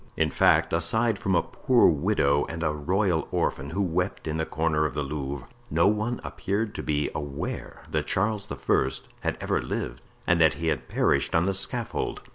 In fact, aside from a poor widow and a royal orphan who wept in the corner of the Louvre, no one appeared to be aware that Charles I. had ever lived and that he had perished on the scaffold.